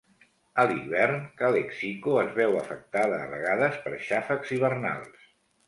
A l'hivern, Calexico es veu afectada a vegades per xàfecs hivernals.